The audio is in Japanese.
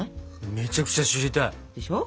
めちゃくちゃ知りたい。でしょ？